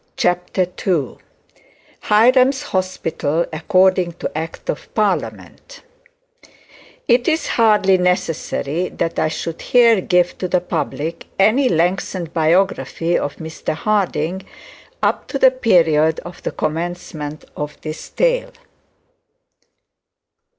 CHAPTER II HIRAM'S HOSPITAL ACCORDING TO ACT OF PARLIAMENT It is hardly necessary that I should here give to the public any lengthened biography of Mr Harding, up to the period of the commencement of this tale.